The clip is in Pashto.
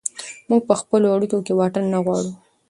موږ په خپلو اړیکو کې واټن نه غواړو.